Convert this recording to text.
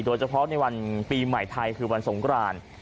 โดยเฉพาะในวันปีใหม่ไทยคือวันสงคราน